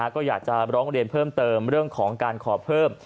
ก็อยากจะร้องเรียนเพิ่มเติมเรื่องของการขอเพิ่ม